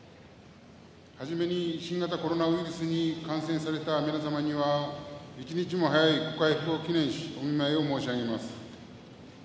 はじめに新型コロナウイルスに感染された皆様には一日も早いご回復を祈念しお見舞いを申し上げます。